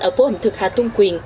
ở phố ẩm thực hà tôn quyền